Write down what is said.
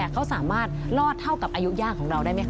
เขาสามารถรอดเท่ากับอายุยากของเราได้ไหมค